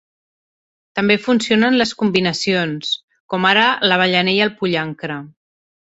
També funcionen les combinacions, com ara l'avellaner i el pollancre.